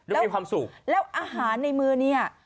แล้วมีความสุขแล้วอาหารในมือเนี่ย